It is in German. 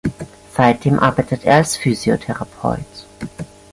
Seitdem arbeitet er als Physiotherapeut.